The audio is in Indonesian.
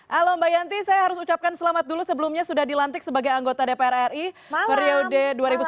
halo mbak yanti saya harus ucapkan selamat dulu sebelumnya sudah dilantik sebagai anggota dpr ri periode dua ribu sembilan belas dua ribu dua